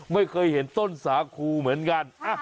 ไม่เคยเห็นต้นสาคูเหมือนกัน